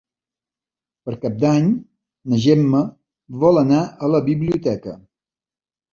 Per Cap d'Any na Gemma vol anar a la biblioteca.